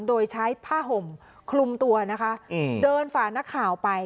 โดยใช้ผ้าห่มคลุมตัวนะคะเดินฝ่านักข่าวไป